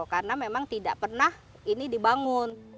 karena memang tidak pernah ini dibangun